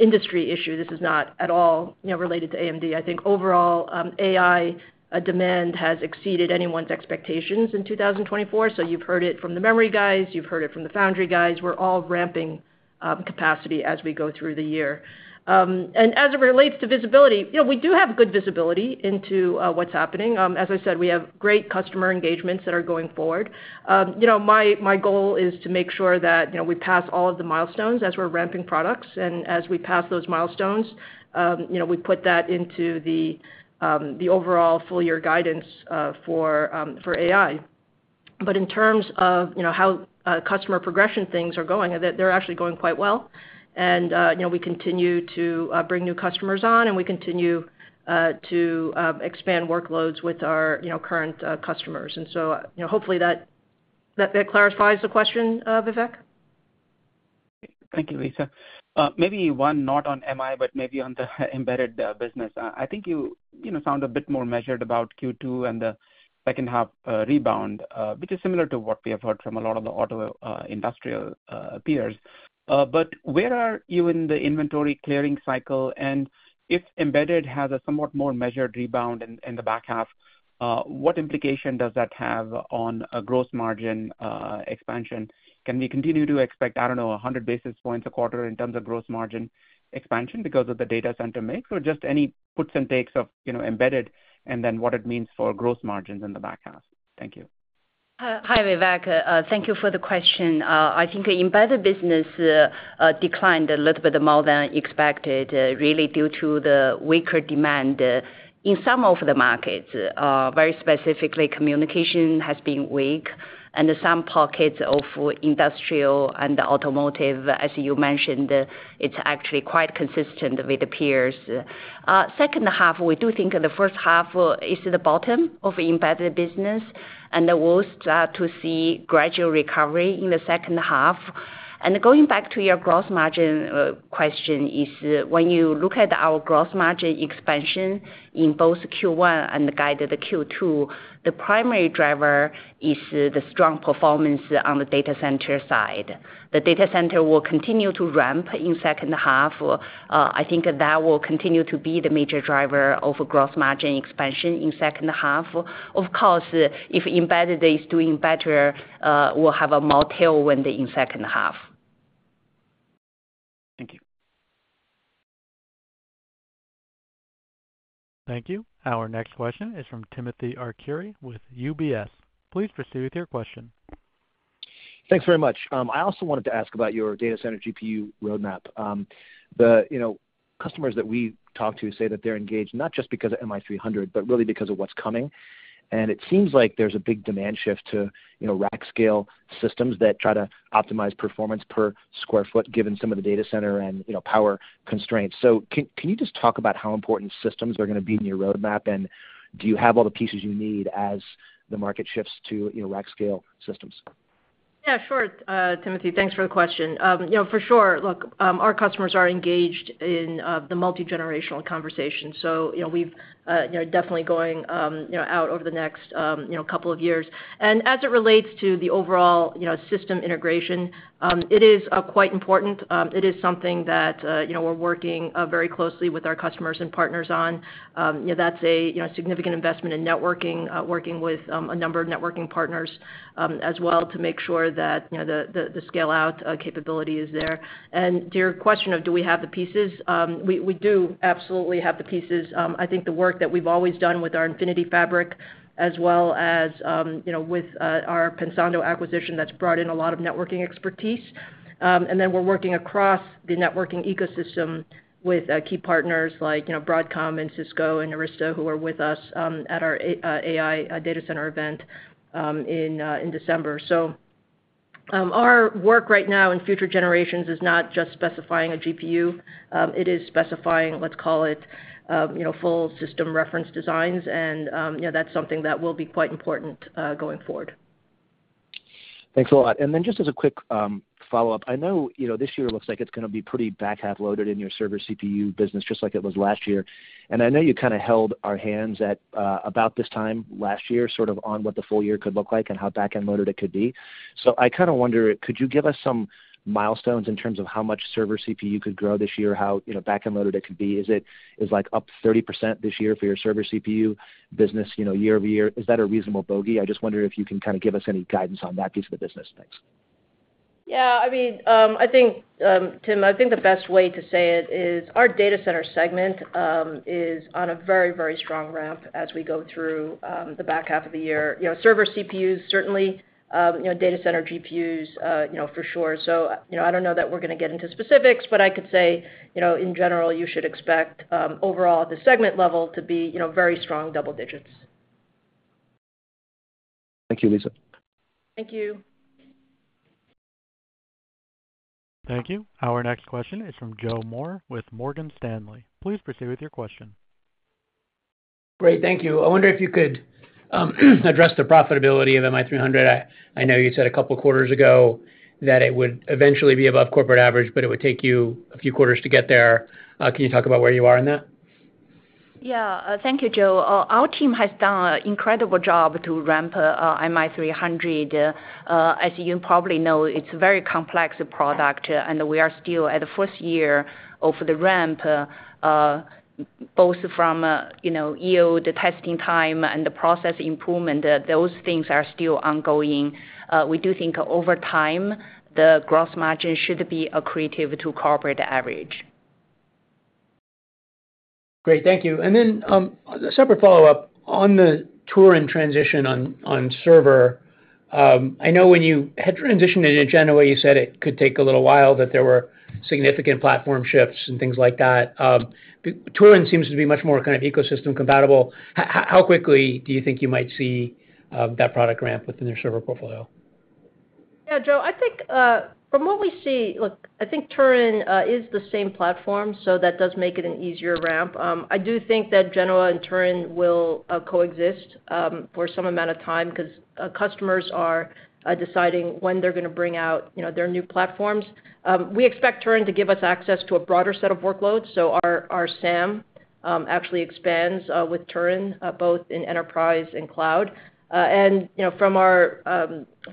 industry issue. This is not at all, you know, related to AMD. I think overall, AI demand has exceeded anyone's expectations in 2024. So you've heard it from the memory guys. You've heard it from the foundry guys. We're all ramping capacity as we go through the year. And as it relates to visibility, you know, we do have good visibility into what's happening. As I said, we have great customer engagements that are going forward. You know, my goal is to make sure that, you know, we pass all of the milestones as we're ramping products. And as we pass those milestones, you know, we put that into the overall full year guidance for AI. But in terms of, you know, how customer progression things are going, they're actually going quite well. And, you know, we continue to bring new customers on, and we continue to expand workloads with our, you know, current customers. And so, you know, hopefully that, that clarifies the question, Vivek. Thank you, Lisa. Maybe one not on MI, but maybe on the embedded business. I think you, you know, sound a bit more measured about Q2 and the second half rebound, which is similar to what we have heard from a lot of the auto industrial peers. But where are you in the inventory clearing cycle? And if embedded has a somewhat more measured rebound in the back half, what implication does that have on a gross margin expansion? Can we continue to expect, I don't know, 100 basis points a quarter in terms of gross margin expansion because of the data center mix? Or just any puts and takes of, you know, embedded, and then what it means for gross margins in the back half. Thank you. Hi, Vivek. Thank you for the question. I think the embedded business declined a little bit more than expected, really due to the weaker demand in some of the markets. Very specifically, communication has been weak and some pockets of industrial and automotive, as you mentioned, it's actually quite consistent with peers. Second half, we do think the first half is the bottom of the embedded business, and we'll start to see gradual recovery in the second half. And going back to your gross margin question is, when you look at our gross margin expansion in both Q1 and the guide of the Q2, the primary driver is the strong performance on the data center side. The data center will continue to ramp in second half. I think that will continue to be the major driver of gross margin expansion in second half. Of course, if embedded is doing better, we'll have a more tailwind in second half. Thank you. Thank you. Our next question is from Timothy Arcuri with UBS. Please proceed with your question. Thanks very much. I also wanted to ask about your data center GPU roadmap. The, you know, customers that we talk to say that they're engaged, not just because of MI300, but really because of what's coming. And it seems like there's a big demand shift to, you know, rack scale systems that try to optimize performance per square foot, given some of the data center and, you know, power constraints. So can, can you just talk about how important systems are gonna be in your roadmap? And do you have all the pieces you need as the market shifts to, you know, rack scale systems? ... Yeah, sure, Timothy, thanks for the question. You know, for sure, look, our customers are engaged in the multigenerational conversation. So you know, we've you know, definitely going you know, out over the next you know, couple of years. And as it relates to the overall, you know, system integration, it is quite important. It is something that you know, we're working very closely with our customers and partners on. You know, that's a you know, significant investment in networking, working with a number of networking partners, as well, to make sure that you know, the scale-out capability is there. And to your question of do we have the pieces, we do absolutely have the pieces. I think the work that we've always done with our Infinity Fabric, as well as, you know, with, our Pensando acquisition, that's brought in a lot of networking expertise. And then we're working across the networking ecosystem with, key partners like, you know, Broadcom and Cisco and Arista, who are with us, at our AI data center event, in December. So, our work right now in future generations is not just specifying a GPU, it is specifying, let's call it, you know, full system reference designs, and, you know, that's something that will be quite important, going forward. Thanks a lot. Then just as a quick follow-up, I know, you know, this year looks like it's gonna be pretty back-half loaded in your server CPU business, just like it was last year. And I know you kinda held our hands at about this time last year, sort of on what the full year could look like and how back-end loaded it could be. So I kinda wonder, could you give us some milestones in terms of how much server CPU could grow this year? How, you know, back-end loaded it could be? Is it, is, like, up 30% this year for your server CPU business, you know, year-over-year? Is that a reasonable bogey? I just wonder if you can kinda give us any guidance on that piece of the business. Thanks. Yeah, I mean, I think, Tim, I think the best way to say it is our data center segment is on a very, very strong ramp as we go through the back half of the year. You know, server CPUs, certainly, you know, data center GPUs, you know, for sure. So, you know, I don't know that we're gonna get into specifics, but I could say, you know, in general, you should expect overall, at the segment level to be, you know, very strong double digits. Thank you, Lisa. Thank you. Thank you. Our next question is from Joe Moore with Morgan Stanley. Please proceed with your question. Great, thank you. I wonder if you could address the profitability of MI300. I know you said a couple of quarters ago that it would eventually be above corporate average, but it would take you a few quarters to get there. Can you talk about where you are in that? Yeah. Thank you, Joe. Our team has done an incredible job to ramp MI300. As you probably know, it's a very complex product, and we are still at the first year of the ramp, both from, you know, yield, testing time, and the process improvement. Those things are still ongoing. We do think over time, the gross margin should be accretive to corporate average. Great, thank you. And then a separate follow-up. On the Turin transition on server, I know when you had transitioned in Genoa, you said it could take a little while, that there were significant platform shifts and things like that. Turin seems to be much more kind of ecosystem compatible. How, how quickly do you think you might see that product ramp within your server portfolio? Yeah, Joe, I think, from what we see. Look, I think Turin is the same platform, so that does make it an easier ramp. I do think that Genoa and Turin will coexist for some amount of time 'cause customers are deciding when they're gonna bring out, you know, their new platforms. We expect Turin to give us access to a broader set of workloads. So our, our SAM actually expands with Turin both in enterprise and cloud. And, you know, from our,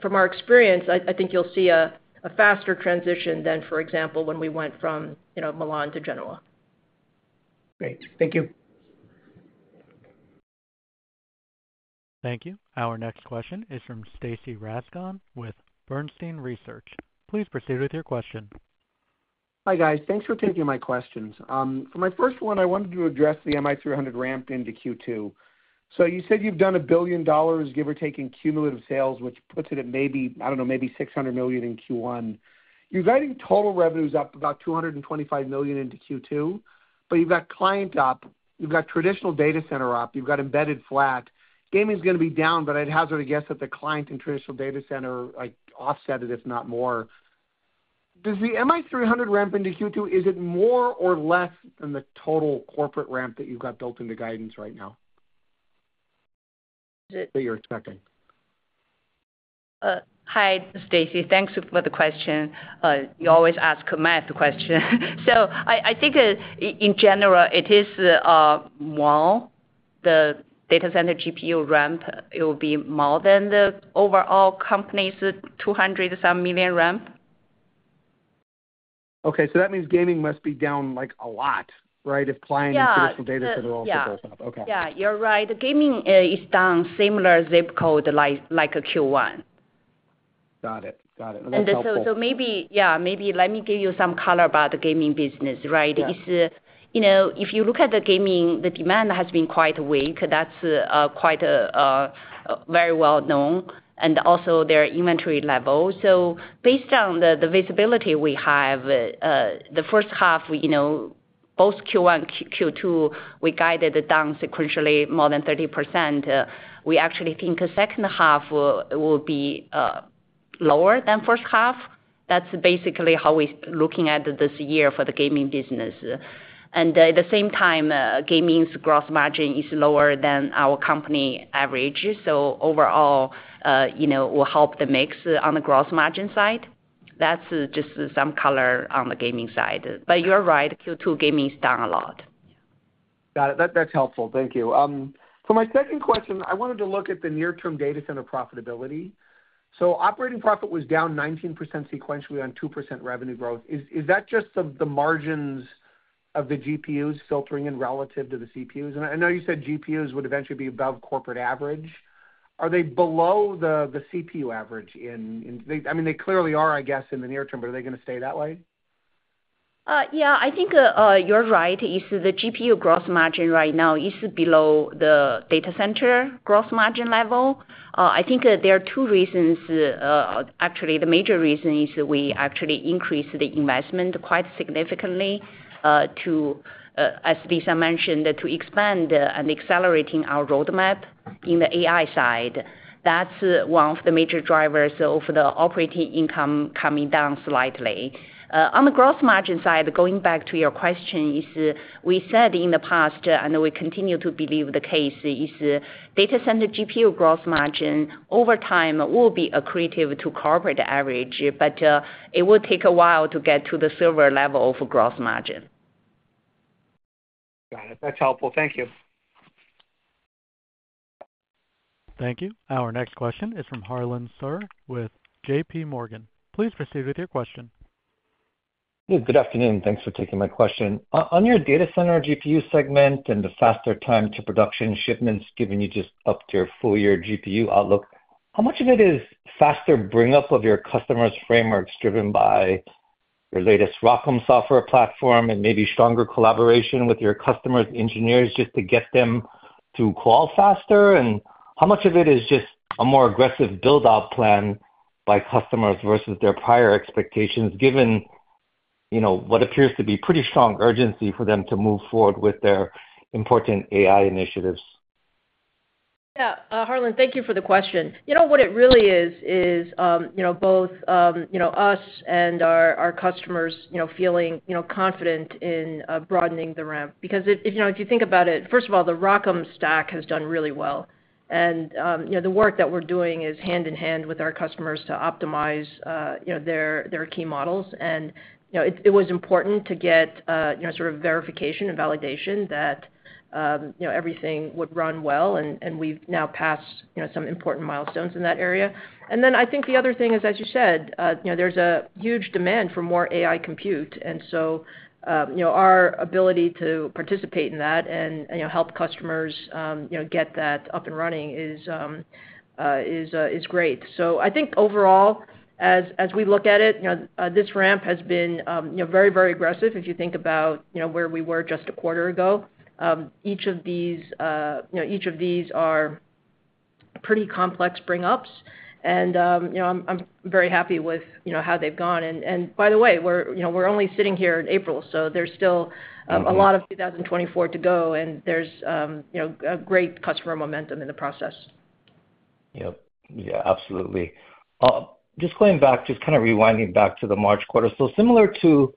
from our experience, I think you'll see a faster transition than, for example, when we went from, you know, Milan to Genoa. Great. Thank you. Thank you. Our next question is from Stacy Rasgon with Bernstein Research. Please proceed with your question. Hi, guys. Thanks for taking my questions. For my first one, I wanted to address the MI300 ramp into Q2. So you said you've done $1 billion, give or take, in cumulative sales, which puts it at maybe, I don't know, maybe $600 million in Q1. You're guiding total revenues up about $225 million into Q2, but you've got client up, you've got traditional data center up, you've got embedded flat. Gaming's gonna be down, but I'd hazard a guess that the client and traditional data center, like, offset it, if not more. Does the MI300 ramp into Q2, is it more or less than the total corporate ramp that you've got built in the guidance right now? That you're expecting. Hi, Stacy. Thanks for the question. You always ask math question. So I think in general, it is more, the data center GPU ramp. It will be more than the overall company's $200-some million ramp. Okay, so that means gaming must be down, like, a lot, right? If client- Yeah... and traditional data center also goes up. Yeah. Okay. Yeah, you're right. Gaming is down similar zip code, like, like Q1. Got it. Got it. Well, that's helpful. So maybe, yeah, let me give you some color about the gaming business, right? Yeah. It's, you know, if you look at the gaming, the demand has been quite weak. That's quite very well known, and also their inventory levels. So based on the visibility we have, the first half, we, you know, both Q1 and Q2, we guided it down sequentially more than 30%. We actually think the second half will be lower than first half.... That's basically how we're looking at this year for the gaming business. And, at the same time, gaming's gross margin is lower than our company average. So overall, you know, will help the mix on the gross margin side. That's just some color on the gaming side. But you're right, Q2 gaming is down a lot. Got it. That's helpful. Thank you. For my second question, I wanted to look at the near-term data center profitability. So operating profit was down 19% sequentially on 2% revenue growth. Is that just the margins of the GPUs filtering in relative to the CPUs? And I know you said GPUs would eventually be above corporate average. Are they below the CPU average? I mean, they clearly are, I guess, in the near term, but are they gonna stay that way? Yeah, I think, you're right. The GPU gross margin right now is below the data center gross margin level. I think there are two reasons, actually, the major reason is we actually increased the investment quite significantly, to, as Lisa mentioned, to expand and accelerating our roadmap in the AI side. That's one of the major drivers of the operating income coming down slightly. On the gross margin side, going back to your question, is, we said in the past, and we continue to believe the case, is data center GPU gross margin, over time, will be accretive to corporate average, but, it will take a while to get to the server level of gross margin. Got it. That's helpful. Thank you. Thank you. Our next question is from Harlan Sur with J.P. Morgan. Please proceed with your question. Good afternoon, thanks for taking my question. On your data center GPU segment and the faster time to production shipments giving you just up to your full year GPU outlook, how much of it is faster bring up of your customers' frameworks driven by your latest ROCm software platform and maybe stronger collaboration with your customers' engineers just to get them to qual faster? And how much of it is just a more aggressive build-out plan by customers versus their prior expectations, given, you know, what appears to be pretty strong urgency for them to move forward with their important AI initiatives? Yeah, Harlan, thank you for the question. You know, what it really is, is, you know, both, you know, us and our, our customers, you know, feeling, you know, confident in, broadening the ramp. Because if, you know, if you think about it, first of all, the ROCm stack has done really well. And, you know, the work that we're doing is hand-in-hand with our customers to optimize, you know, their, their key models. And, you know, it, it was important to get, you know, sort of verification and validation that, you know, everything would run well, and, and we've now passed, you know, some important milestones in that area. And then I think the other thing is, as you said, you know, there's a huge demand for more AI compute, and so, you know, our ability to participate in that and, you know, help customers, you know, get that up and running is great. So I think overall, as we look at it, you know, this ramp has been, you know, very, very aggressive if you think about, you know, where we were just a quarter ago. Each of these, you know, each of these are pretty complex bring ups, and, you know, I'm very happy with, you know, how they've gone. And by the way, we're, you know, we're only sitting here in April, so there's still, Mm-hmm... a lot of 2024 to go, and there's, you know, a great customer momentum in the process. Yep. Yeah, absolutely. Just going back, just kind of rewinding back to the March quarter. So similar to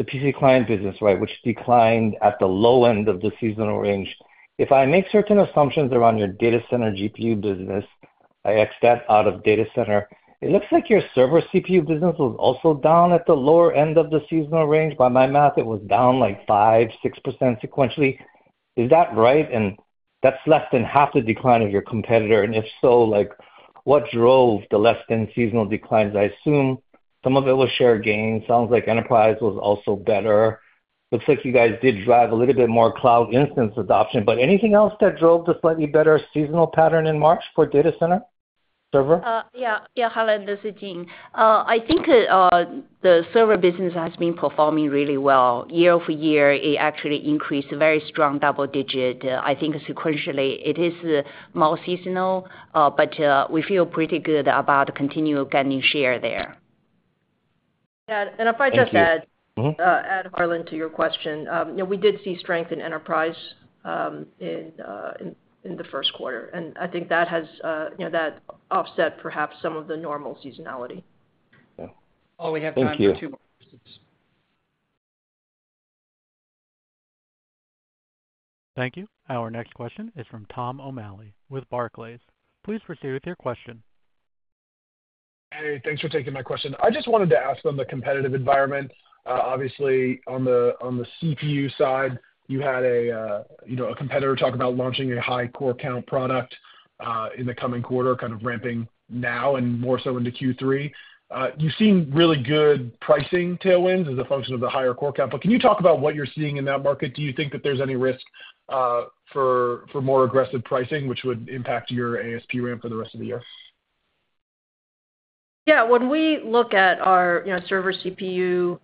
the PC client business, right, which declined at the low end of the seasonal range, if I make certain assumptions around your data center GPU business, I extract out of data center, it looks like your server CPU business was also down at the lower end of the seasonal range. By my math, it was down, like, 5-6% sequentially. Is that right? And that's less than half the decline of your competitor. And if so, like, what drove the less than seasonal declines? I assume some of it was share gains. Sounds like enterprise was also better. Looks like you guys did drive a little bit more cloud instance adoption, but anything else that drove the slightly better seasonal pattern in March for data center server? Yeah, yeah, Harlan, this is Jean. I think the server business has been performing really well. Year-over-year, it actually increased very strong double-digit. I think sequentially it is more seasonal, but we feel pretty good about continuing gaining share there. Yeah, and if I just add- Thank you. Mm-hmm. AMD, Harlan, to your question. You know, we did see strength in enterprise in the first quarter, and I think that has, you know, offset perhaps some of the normal seasonality. Yeah. Paul, we have time for two more questions. Thank you. Our next question is from Tom O'Malley with Barclays. Please proceed with your question. Hey, thanks for taking my question. I just wanted to ask on the competitive environment. Obviously, on the CPU side, you had a, you know, a competitor talk about launching a high core count product, in the coming quarter, kind of ramping now and more so into Q3. You've seen really good pricing tailwinds as a function of the higher core count, but can you talk about what you're seeing in that market? Do you think that there's any risk, for more aggressive pricing, which would impact your ASP ramp for the rest of the year? Yeah, when we look at our, you know, server CPU,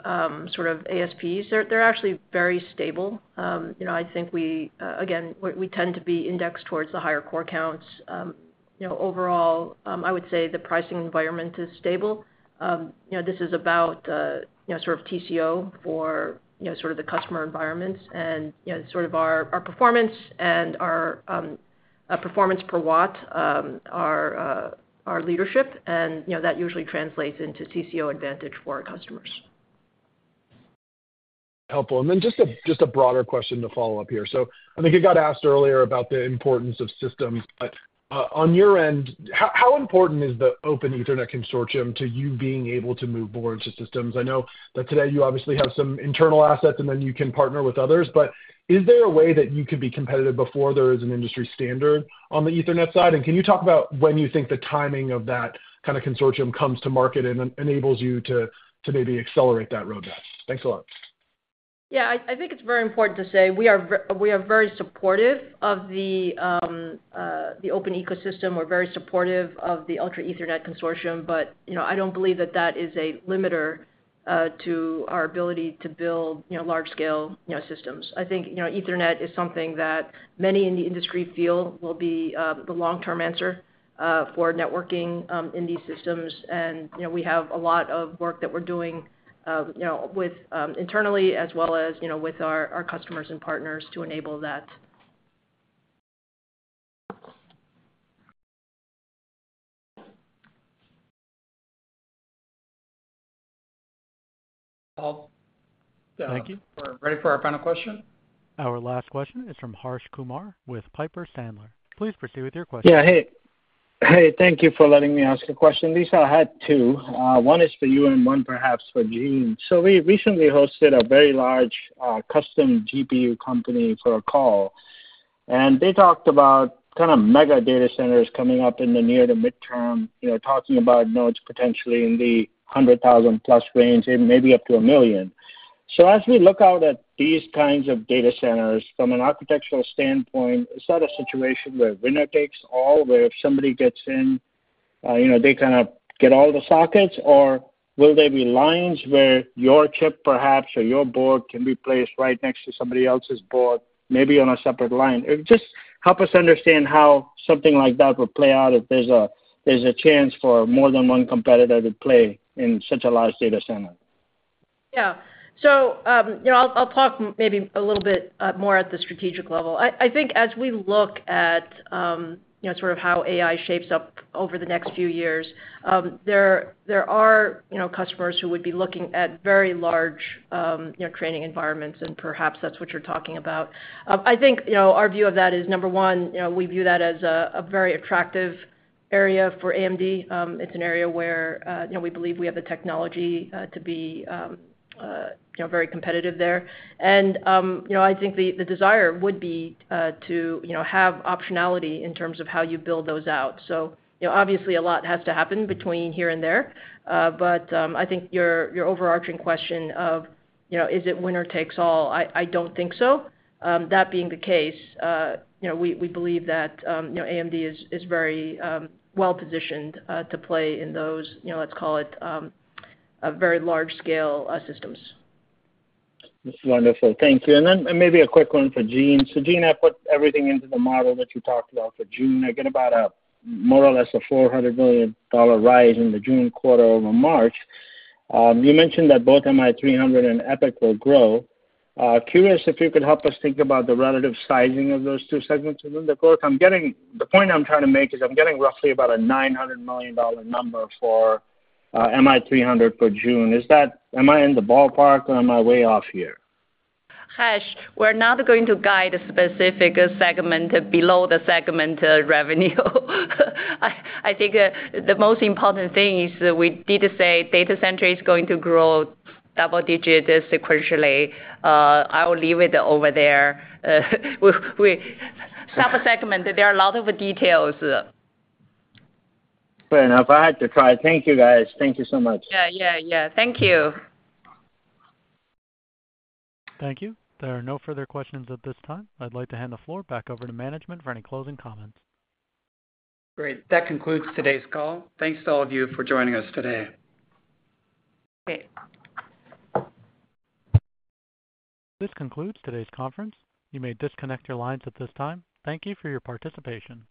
sort of ASPs, they're actually very stable. You know, I think we again we tend to be indexed towards the higher core counts. You know, overall, I would say the pricing environment is stable. You know, this is about, you know, sort of TCO for, you know, sort of the customer environments and, you know, sort of our performance and our performance per watt, our leadership, and, you know, that usually translates into TCO advantage for our customers.... helpful. Then just a broader question to follow up here. So I think it got asked earlier about the importance of systems. But on your end, how important is the Ultra Ethernet Consortium to you being able to move boards to systems? I know that today you obviously have some internal assets, and then you can partner with others. But is there a way that you could be competitive before there is an industry standard on the Ethernet side? And can you talk about when you think the timing of that kind of consortium comes to market and enables you to maybe accelerate that roadmap? Thanks a lot. Yeah, I think it's very important to say we are very supportive of the open ecosystem. We're very supportive of the Ultra Ethernet Consortium, but, you know, I don't believe that that is a limiter to our ability to build, you know, large scale, you know, systems. I think, you know, Ethernet is something that many in the industry feel will be the long-term answer for networking in these systems. And, you know, we have a lot of work that we're doing, you know, with internally as well as, you know, with our customers and partners to enable that. I'll- Thank you. We're ready for our final question. Our last question is from Harsh Kumar with Piper Sandler. Please proceed with your question. Yeah, hey. Hey, thank you for letting me ask a question. Lisa, I had two. One is for you and one perhaps for Jean. So we recently hosted a very large custom GPU company for a call, and they talked about kind of mega data centers coming up in the near to midterm. You know, talking about nodes potentially in the 100,000+ range and maybe up to a million. So as we look out at these kinds of data centers, from an architectural standpoint, is that a situation where winner takes all, where if somebody gets in, you know, they kind of get all the sockets? Or will there be lines where your chip perhaps or your board can be placed right next to somebody else's board, maybe on a separate line? Just help us understand how something like that would play out if there's a chance for more than one competitor to play in such a large data center? Yeah. So, you know, I'll talk maybe a little bit more at the strategic level. I think as we look at, you know, sort of how AI shapes up over the next few years, there are, you know, customers who would be looking at very large, you know, training environments, and perhaps that's what you're talking about. I think, you know, our view of that is, number one, you know, we view that as a very attractive area for AMD. It's an area where, you know, we believe we have the technology to be, you know, very competitive there. And, you know, I think the desire would be to, you know, have optionality in terms of how you build those out. So, you know, obviously, a lot has to happen between here and there, but I think your overarching question of, you know, is it winner takes all? I don't think so. That being the case, you know, we believe that, you know, AMD is very well positioned to play in those, you know, let's call it, a very large scale, systems. That's wonderful. Thank you. And then, and maybe a quick one for Jean. So, Jean, I put everything into the model that you talked about for June. I get about a more or less a $400 million rise in the June quarter over March. You mentioned that both MI300 and EPYC will grow. Curious if you could help us think about the relative sizing of those two segments within the growth. I'm getting—the point I'm trying to make is I'm getting roughly about a $900 million number for MI300 for June. Is that... Am I in the ballpark or am I way off here? Harsh, we're not going to guide a specific segment below the segment revenue. I think the most important thing is that we did say data center is going to grow double digits sequentially. I will leave it over there. We, we sub-segment, there are a lot of details. Fair enough. I had to try. Thank you, guys. Thank you so much. Yeah, yeah, yeah. Thank you. Thank you. There are no further questions at this time. I'd like to hand the floor back over to management for any closing comments. Great. That concludes today's call. Thanks to all of you for joining us today. Okay. This concludes today's conference. You may disconnect your lines at this time. Thank you for your participation.